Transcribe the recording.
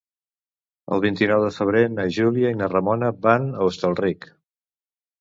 El vint-i-nou de febrer na Júlia i na Ramona van a Hostalric.